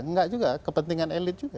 enggak juga kepentingan elit juga